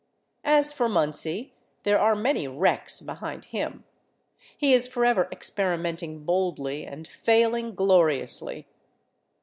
As for Munsey, there are many wrecks behind him; he is forever experimenting boldly and failing gloriously.